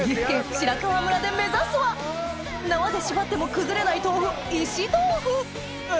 白川村で目指すは縄で縛っても崩れない豆腐石豆腐あ！